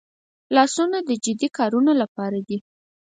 لاسونه د جدي کارونو لپاره دي